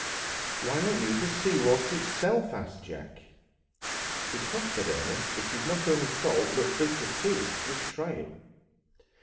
"Why not use the sea water itself?" asked Jack. "Because," said Ernest, "it is not only salt, but bitter too. Just try it."